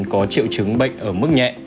có triệu chứng bệnh ở mức nhẹ